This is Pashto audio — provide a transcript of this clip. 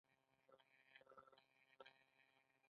دا د نورو لپاره د داسې حق شتون دی.